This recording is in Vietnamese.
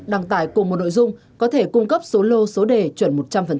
đăng tải cùng một nội dung có thể cung cấp số lô số đề chuẩn một trăm linh